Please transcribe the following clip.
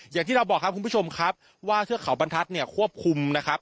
อย่างที่เราบอกครับคุณผู้ชมครับว่าเทือกเขาบรรทัศน์เนี่ยควบคุมนะครับ